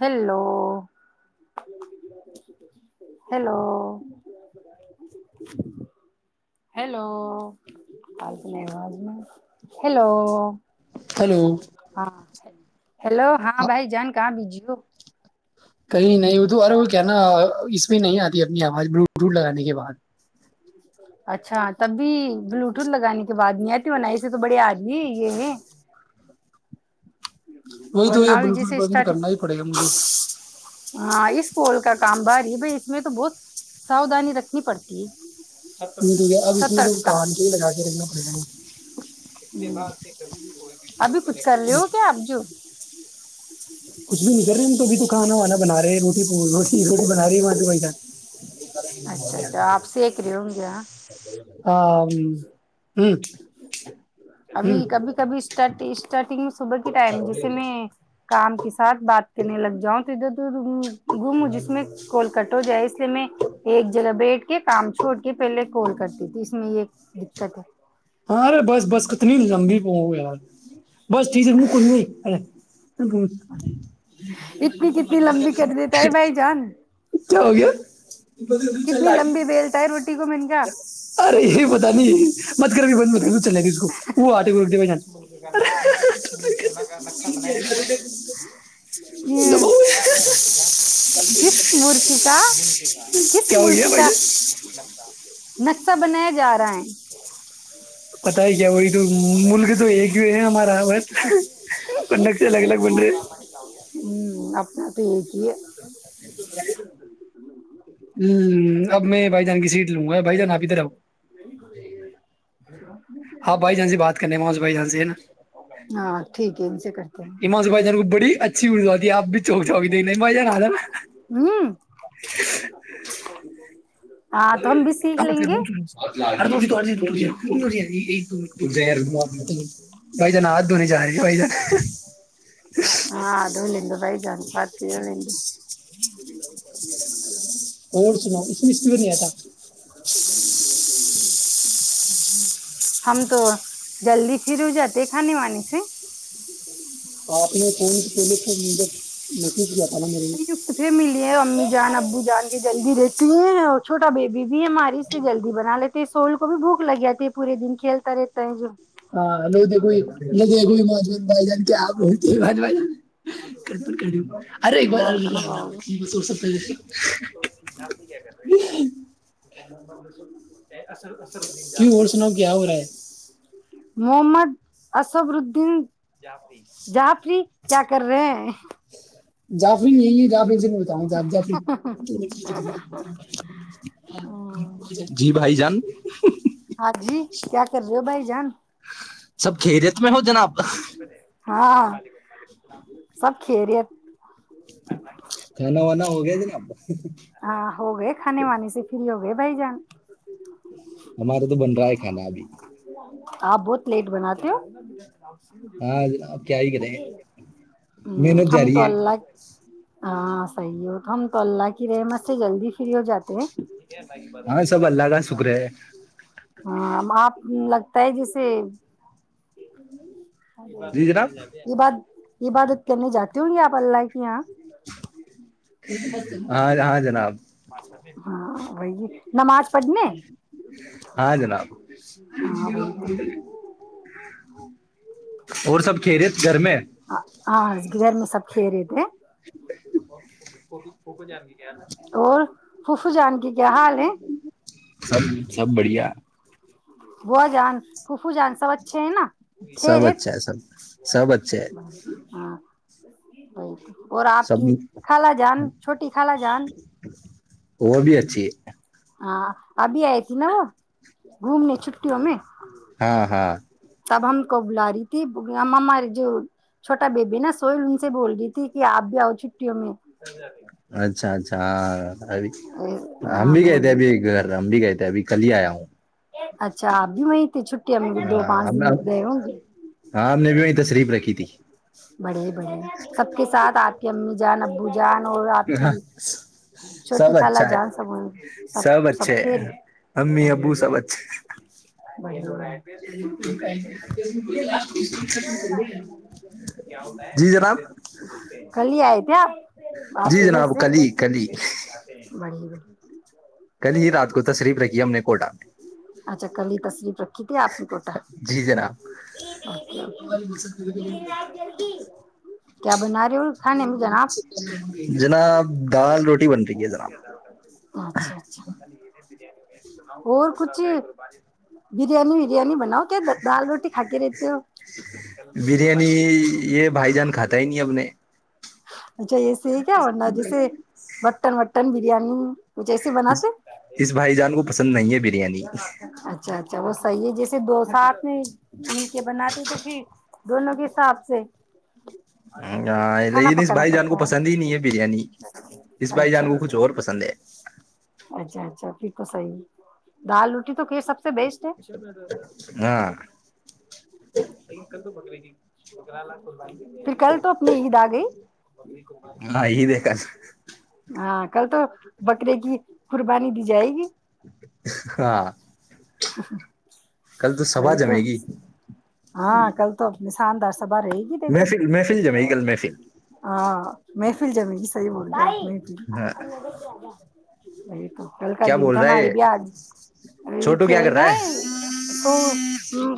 Hello hello hello میں hello hello [inaudible] hello ہاں بھائی جانک کہاں بجیو کہئی نہیں ادو ار کیا نا اس میں نہیں آتی اپنی آواز بلوٹوٹ لگانے کے بعد اچھا تب بھی بلوٹوتھ لگانے کے بعد نہیں آتی وہن ایے تو بڑے آدمی یہ ہے وہی تو یہ ورنہ بھی بلوٹوتھ جیسے بسند کرنا ہی پڑے گا مجھے ہاں ہاں اس کوول کا کام ب رہی بائی اس میں تو بہت سادانی رکھنی پڑتی ہے ٹ ٹیک ہے اب اس میں تو کان کے ہی لگا کے رکھنا پڑ گاا اتنے باات سے کبھی اور ابھی کچھ کر رہے ہو کیا اب جو کچھ بھی نہیں کر رہے ہیں ہم توب تو کھانا وانا بنا رہے ہیں روٹی روٹی روٹی بنا رہی م اچھا اچھا آپ سیک رہے ہوں گے ہاں پسا ہاں ہ ابھی کبھی کبھی اس ٹائ اسٹارنگ صبح کی ٹائم جیسے میں کام کے ساتھ بات کرنے لگ جاؤں [inaudible] تو گم جس میں کال کٹ ہو جائے اس لیے میں ایک جگہ بیٹھ کے کام چھوڑ کے پہلے کال کرتی تھی اس میں یہ [unintelligible] [unintelligible] ہاں ارے بس بس کتنی لمبی پ یار بس جیزر م کلوں ارے تو بہت ف اتنی کتنی لمبی کر دیتا ہے بھائی جان کیا ہو گیا کتنی لمبی بیلتا ہے روٹی کو م ارے یہ پتا نہیں نشہ مت کر بھی بند مت کر چلے گی اس کو وہ آٹے کو رکھ دے بنایا بھائی جان جا رہا ہے کس مورتی کا کس کیا ہو گیا ملک بھائی کا جان نقسہ بنایا جا رہا ہے پت ہے کیا وہی تو ملک تو ایک ہی ہے ہمارے ہ الگ بن رہے ہوں، اپنے تو یہ کہ یہ اب میں بھائی جان کی سیٹ لوں گا بھائی جان آپ ادھر آؤ ہاں، بھائی جان سے بات کرنی ہے نا۔ ہاں ٹھیک ہے ان سے کرتے ہیں امان صو بھائی جان کو بڑی اچھی اردو آتی ہے آپ بھی چوک چاک دیکھ بھائی جان آ تھا نا ہوں ہاں تو ہم بھی سیکھ گمت لیں گے م اور تو [unintelligible] بھائی جان، آددھونے جا رہے بھائی جن ہیں؟ ہان ہاں ہو لین بھائی جان پات ہو لین دو اور سناؤ اس اس نہیں آتا ہم تو جلدی پھر ہو جاتے کھانے وانی سے ہ [unintelligible] اپنے فن پہلے تو مر [unintelligible] سکت پھر ملیے امی جان ابو جان کے جلدی رہتی ہے اور چھوٹا بیبی بھی ہماری اس سے جلدی بنا لیتے ہیں سول کو بھی بھوک لگ جی ہے پورے دن کھیلتا رہتا ہے جو ہاں ہلو دیکھو ہلو دیکھو ماجون بھائی جان، کیا آپ بج ارے ب حال کرنا پاؤ گا ب س اصل کی ہو سناؤ کیا ہو رہا ہے محمد ااسفردین جعفری کیا کر رہے ہیں جعفریر یہی ہے جعفر سے ج جی بھائی جان ہاں جی کیا کر رہ ہو بھائی جان سب خیریت میں ہو جناب ہاں سب خیریت ہے کنا ونا ہوگ د نابا ہاں ہو گئے کھانے وانے سے پھر ہوگ بھائی جان ہمارا تو بن رہا ہے النابھی [unintelligible] آپ بہت لیٹ بناتے ہو ہاں آپ کیا ہی کرے ہو محنت جا ہم رہی تو ہے اللہ ہاں صحیح ہو تو ہم تو اللہ کی رہحمت سے جلدی فری ہو جاتے ہیں تگی مدت ہاں کرنے سب اللہ کا جاتی شکر ہے ہاں ہ لگتا ہے جیسے جی جناب ج بع [unintelligible] یہ بات کرنے جاتی ہوں گی آپ اللہ کی یہاں ہاں ہاں جناب ہاں وہی نماز پڑھنے ہاں جناب ہاں وہی تو اور سب کھیرے گھر میں ہاں گغر میں سب خیرے [unintelligible] پک پوکو جنی کیا ہے نا اور فف جان کیی سب سب بڑھیا [unintelligible] بو جان ففو جان سب اچھے ہے نا سب خیریت اچھا ہے سب سب اچھا ہے ہاں [unintelligible] ب [unintelligible] اور آپ سب کی خالا جان چھوٹی خالا جان وہ بھی اچھی ہے ہاں ابھی آئی تھی نا گھومنے چھٹیوں میں ہاں ہاں سب ہم کو بلا رہی تھی ہم ہمارے جو چھوٹا بیبی ہے نا سوئل ان سے بول رہی تھی کہ آپ بھی آؤ چھٹیوں میں اچھا اچھا ہاں ابھی ہم ہاں بھی گئے بول تھے رہی ابھی گھر ہم بھی گئے تھے ا بھیھی کل آیا ہوں اچھا اب بھی وہیں تھی چھٹیں دو پانچ دن گئے ہوں گے ہاں ہم نے بھی وہیں تشریف رکھی تھی بڑے بڑے سب کے ساتھ آپ کی امی جان ابو جان اور آپ کی تھی چھوٹی سب خالا اچھا ہے جان سب ہو سب سب اچھے کھیر ہیں امی ابو سب اچھے ب [unintelligible] جی جناب کلی آئے تھ آپ آپ جی کے گھر جناب سے کلی کلی جی رکھی ہم نے کوٹہ میں [unintelligible] اچھا کلی تصوف رکھی تھی آپ نے کوٹا جی جناب کیا بنا رہے ہو کھانے میں جناب جناب دال روٹی بن رہی ہے جناب اچھا اچھا اور کچھ بریانی وریانی ب کیا دال روٹی کھ کے رہتی ہو بریانی یہ بھائی جان کھاتا ہی نہیں اب نے ہاں [inaudible] اچھا یہ صی کیا ہے ورنہ جیسے مٹن مٹن بریانی کچھ ایسے اس بناتے اس بھائی جان کو پسند نہیں ہے بریانی چل وہ صحیح ہے جیسے دو ساتھ میں مل کے بناتے تو پھر دونوں کے حساب سے ہ آ [unintelligible] کھانا لیکن اس پکانا بھائی جان کو پڑتا پسند ہی نہیں ہے بریانی اس ہے بھائی اچھا جان کو کچھ اچھا اور پسند ہے اچھا اچھا پھر تو صحیح دال روٹی تو سب سے بیسٹ ہے ہاں پھر کل تو اپنی عید آ گئی ہاں ہییک ک ہاں کل تو بکرے کی قربانی دی جائے گی ہاں س س [unintelligible] کل تو سبا جمے گی ہاں کلتا ساندر سب رہے گی دیکھو محفل محفل جمے گی کل محفل ہاں میں فل ج مے صیح بول گ نہیں پھر ہاں وہی تو کل کا کیا دن بول تو رہا ہے ہماراری بھی آج ابھی بھی چھوٹو کیا کھیل کر رہا ہے سو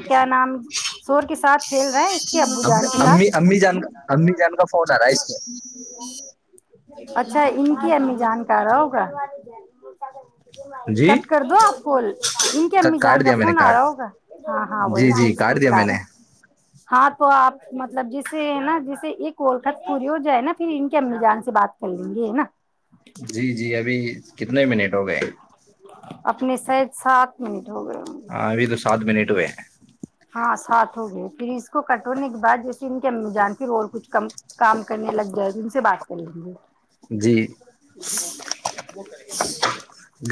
کیا نام دور کے ساتھ کھیل رہے ہیں اس کے ابو جان کے ساتھ امی امی جان کا امی جان کا فون آ رہا ہے اس اچھا ان کی امی میں جان کا آ رہا ہوگا جی کٹ کر دو آپ کو ان کے امی جان کاٹ کا دیا میں نے فون آ رہا ہوگا ہاں ہاں وہی کریا م کار نے ہے. ہاں تو آپ مطلب جسے نا جیسے ایک کوولکھط پوری ہو جائے نا پھر ان کے امل جان سے بات کر لیں گے نا جی جی ابھی کتنے منٹ ہو گئے اپنے ساید سات منٹ ہو گئے ہوں گے ہاں ا تو ساتھ منٹو ہے ہاں سات ہو گئے پلیس اس کو کٹونے کے بعد جیسے ان کی ا جان پھر اور کچھ کم کام کرنے لگ جائے تو ان سے بات [unintelligible] جی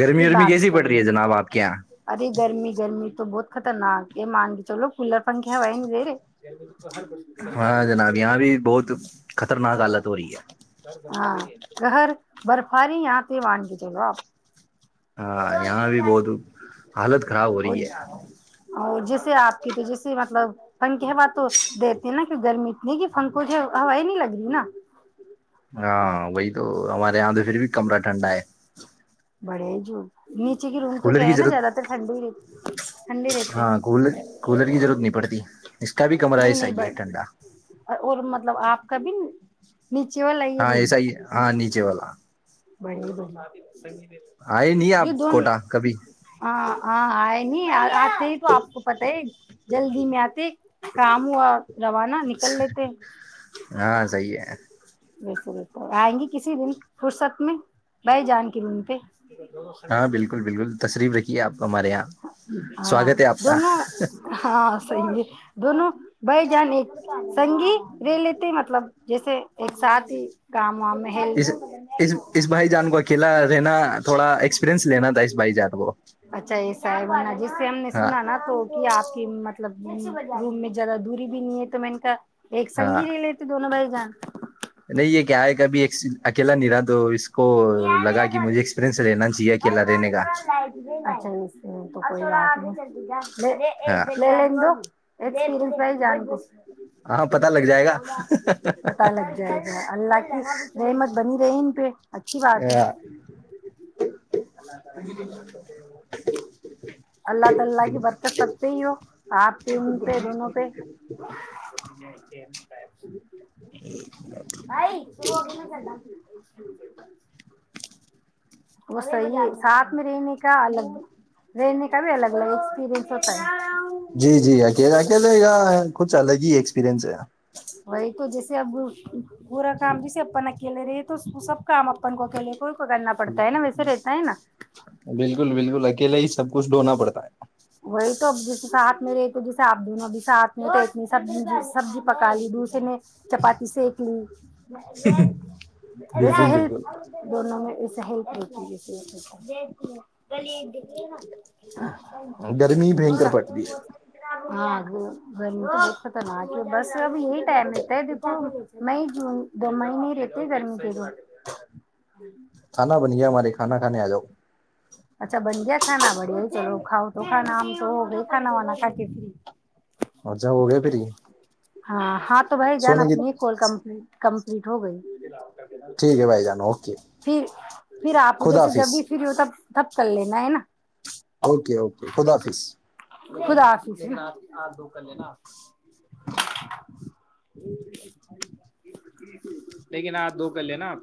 گرمی پھر رمی بعد میں کیسی کر پڑ رہی ہے لیجیے جناب آپ کے یہاں ارے گرمی گرمی تو بہت خطرناک یہ مان کے چلو کلر پنکھ ہےوا ہی نہیں دیرے ہاں جناب یہاں بھی بہت خطرناک حالت ہو رہی ہے گر برفاری یہاںتے وانان کے چلو آپ ہاں یہاں بھی بہت حالت خراب ہو رہی ہے اور جیسے آپ کی تو جیسے مطلب پنک کی ہوا تو دیتے ہیں نا کی گرمی اتنی کہ پن کو جو ہوا ہی نہیں لگ رہی نا ہاں وہئی تو ہمارے اںد پھر بھی کمرہ ٹھنڈا ہے بڑے جو نی کچ کی روم تو کولر کیا کی ہے ن زیاد ضرورت تر ٹنڈی ٹھنڈے رہتے ہاں کولر کولر کی ضرورت نہیں پڑتی اس کا بھی کمرہ نہیں ایسا نہیں ہی ہے بٹ ٹھنڈا اور مطلب آپ کا بھی نیچے والا یہ ہاں روم ایسا ہی ہاں نیچے والا [unintelligible] [unintelligible] آئے آپ کوٹا کبھی نہیں آتے ہی تو آپ کو پت ہے جلدی میں آتے کام ہوا روانہ نکل لیتے ہاں صحیح ہے ب ب تو آئیں گی کسی دن فرصت بھائی جان کی روم پہ ہاں بالکل بالکل تشریف رکھیے آپ ہمارے یہاں ہاں سواگت ہے آپ کا دونوں ہاں صحیح ہے دونوں بائی جان ایک سنگ رہے لیتے مطلب جیسے ایک ساتھی گم میں ہیل اس [unintelligible] [unintelligible] ایکسپیرئنس لینا تھا اس بھائی جان کو اچھا ایسا ہے جس سے ہم نے ہاں سنا نا تو کہ آپ کی مطلب مطلب روم میں زیادہ دوری بھی نہیں ہے تو میں نے کہا ایک ہاں سنگی رہ لیےتےے دونوں بائی [unintelligible] نہیں یہ کیا ہے کبھی ایک اکیلا نہیں رہا دو اس کو ن لگا میرلاا گ کہ ن مجھے ایکسپیرئنس لینا چاہیے ب اکیلا تھڑا رہنے کا تور ل [unintelligible] تو کوئی آ نہیں مے ہاں ایک گن ایکپ جانتی [unintelligible] ہاں پتا لگ جائے پتا لگ جائے گا اللہ کی رحمت بنی رہی ج [unintelligible] اچھی بات گا ہے اللہ تعاللہ کی برکت سکتے ہی ہو آپ پہ ان پہ دونوں پہ [unintelligible] بھائی شروع ہوگ میں چل وہ صی ہے ساتھ میں رہنے کا الگ رہنے کا بھی الگ الگ ایک جی جی اکیلے اکیلے یا کچھ الگ ہی ہے سپرینس ہے وہی تو جیسے اب پورا کام جیسے اپن اکیلے رہے تو سب کام اپن کو اکیلے کو کرنا پڑتا ہے نا ویسے رہتا ہے نا بالکل بالکل اکیلا ہی سب کچھ ڈھونا پڑتا ہے وہی تو اب جس ساتھ میرے کو جیسے آپ دونوں بھی ساتھ میںتنی سب سبزی پکا لی دوسر نے چپاتی سک لی جس بالکل دن بالکل دونوں میں لی دے گا [unintelligible] ہاں گرمی بھیکر پٹتی ہے ہاںگ گرمی کی د پت نہ آتی بس اب یہی ٹائم رہتا ہے دیکھو مئی جون دو مہینے ہی رہتے ہیں گرمی کے دن کھانا بن گیا ہمارے کھانا کھے آ جاؤ اچھا بن گیا کھانا بڑے چلو کھاؤ تو کھانا آم تو ہو گئی کھانا وانا کھ کے فری ا جا ہو گیا پھر ہاں ہات تو بھائی جان سونے کی اپنی ہے کوال کمپنی کمپلیٹ ہو گئی ٹھیک ہے بھائی جان اوکے پھر پھر آپ ادھر خدا سے جب حافظ بھی پھر ہوتا کر لینا ہے نا اوکے اوکے خدافظ خود آس آ د ک ل لیکن آ دو کر لینا آپ